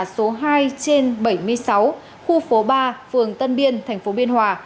số hai trên bảy mươi sáu khu phố ba phường tân biên thành phố biên hòa